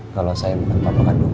kalau saya bukan bapak kandung